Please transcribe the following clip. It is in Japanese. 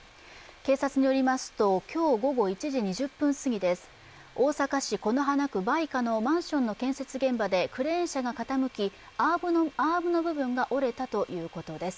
警察によりますと、今日午後１時２０分過ぎ大阪市此花区梅香のマンションの建設現場でクレーン車が傾き、アームの部分が折れたということです。